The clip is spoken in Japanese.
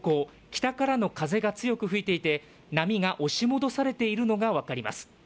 北からの風が強く吹いていて波が押し戻されているのが分かります。